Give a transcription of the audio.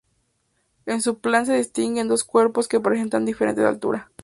En su planta se distinguen dos cuerpos que presentan diferente altura.